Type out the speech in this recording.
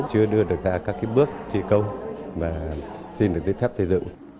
chưa đưa được ra các bước thi công mà xin được giấy phép xây dựng